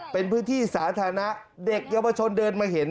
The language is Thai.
เป็นพื้นที่สาธารณะเด็กเยาวชนเดินมาเห็น